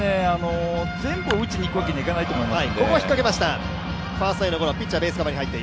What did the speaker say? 全部を打ちにいくわけにはいかないと思うので。